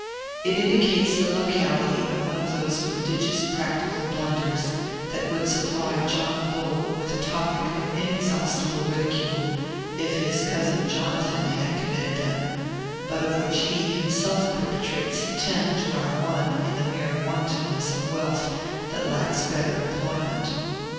It indicates the locality of one of those prodigious practical blunders that would supply John Bull with a topic of inexhaustible ridicule, if his cousin Jonathan had committed them, but of which he himself perpetrates ten to our one in the mere wantonness of wealth that lacks better employment.